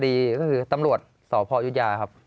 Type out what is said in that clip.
คดีก็คือตำรวจสพยุธยาครับ